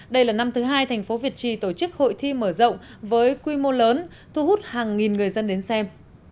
đây là năm thứ hai thành phố việt trì tổ chức hội thi mở rộng với quy mô lớn thu hút hàng nghìn người dân đến xem